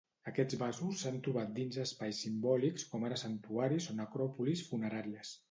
Aquests vasos s’han trobat dins espais simbòlics com ara santuaris o necròpolis funeràries.